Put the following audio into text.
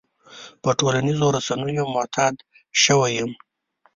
په ټولنيزو رسنيو معتاد شوی يم.